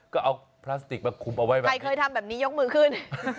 ก็เอาพลาสติกมาคุมเอาไว้ไหมใครเคยทำแบบนี้ยกมือขึ้น